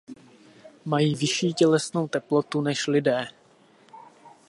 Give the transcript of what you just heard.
Mají vyšší tělesnou teplotu než lidé.